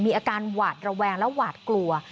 อาการหวาดระแวงและหวาดกลัว